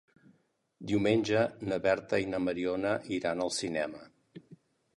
Diumenge na Berta i na Mariona iran al cinema.